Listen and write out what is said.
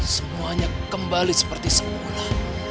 semuanya kembali seperti semula